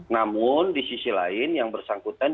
namun di sisi lain yang bersangkutan